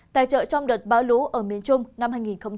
tài trợ trong đợt bão lũ ở miền trung năm hai nghìn hai mươi